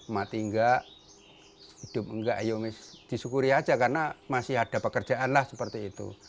mati enggak hidup enggak ayo disyukuri saja karena masih ada pekerjaan seperti itu